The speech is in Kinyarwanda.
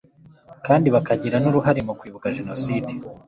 kandi bakagira n uruhare mu Kwibuka Jenoside